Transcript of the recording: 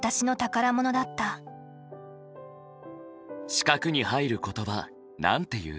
四角に入る言葉なんて言う？